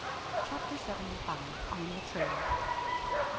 CHAPTER SEVENTY FIVE. ON THE TRAIL.